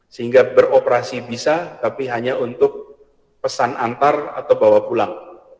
sehingga beroperasi bisa tapi hanya untuk pesan antar atau bawa pulang